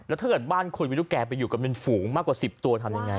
แล้วถ้าเกิดบ้านคุณมีตุ๊กแก่ไปอยู่กันเป็นฝูงมากกว่า๑๐ตัวทำยังไง